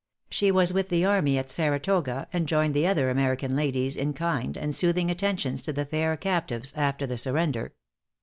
She was with the army at Saratoga, and joined the other American ladies in kind and soothing attentions to the fair captives after the surrender.